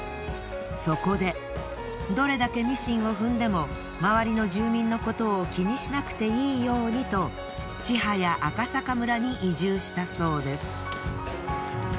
そこでどれだけミシンを踏んでも周りの住民のことを気にしなくていいようにと千早赤阪村に移住したそうです。